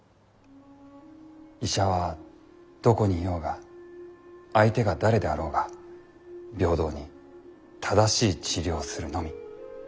医者はどこにいようが相手が誰であろうが平等に正しい治療をするのみ。